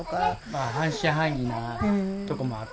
まあ半信半疑なとこもあったんです。